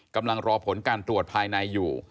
กำลังรอผลการตรวจภายในอยู่